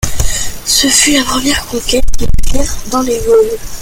Ce fût la première conquête qu'ils firent dans les Gaules.